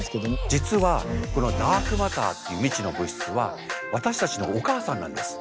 実はこのダークマターっていう未知の物質は私たちのお母さんなんです。